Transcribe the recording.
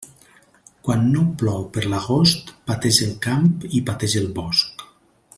Quan no plou per l'agost, pateix el camp i pateix el bosc.